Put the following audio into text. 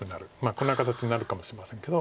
こんな形になるかもしれませんけど。